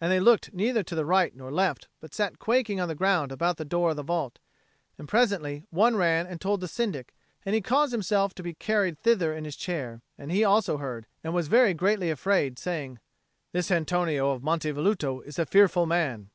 And they looked neither to right nor left, but sat quaking on the ground about the door of the vault; and presently one ran and told the Syndic, and he caused himself to be carried thither in his chair; and he also heard, and was very greatly afraid, saying, "This Antonio of Monte Velluto is a fearful man."